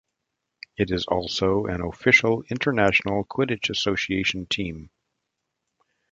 It is also an official International Quidditch Association team.